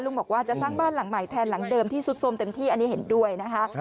บอกว่าจะสร้างบ้านหลังใหม่แทนหลังเดิมที่สุดสมเต็มที่อันนี้เห็นด้วยนะคะ